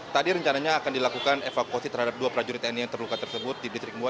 tadi rencananya akan dilakukan evakuasi terhadap dua prajurit tni yang terluka tersebut di distrik mua